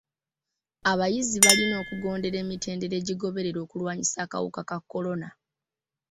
Abayizi balina okugondera emitendera egigobererwa okulwanyisa akawuka ka kolona.